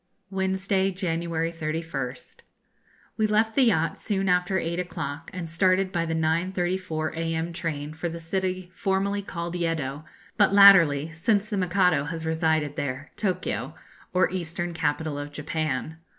Wednesday, January 31st. We left the yacht soon after eight o'clock, and started by the 9.34 a.m. train for the city formerly called Yeddo, but latterly, since the Mikado has resided there, Tokio, or eastern capital of Japan.